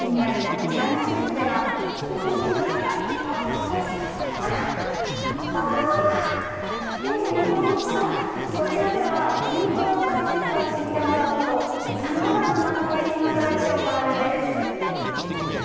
こちらでは健康の大切さを知ってもらおうとさまざまな体験アトラクションがあるんです。